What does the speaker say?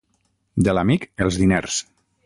De l'amic, els diners.